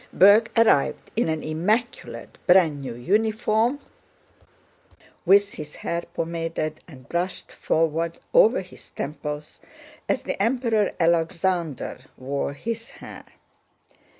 Berg arrived in an immaculate brand new uniform, with his hair pomaded and brushed forward over his temples as the Emperor Alexander wore his hair.